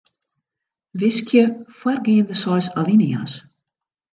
Wiskje foargeande seis alinea's.